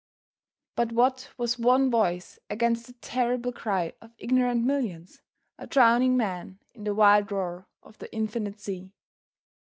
But what was one voice against the terrible cry of ignorant millions? a drowning man in the wild roar of the infinite sea.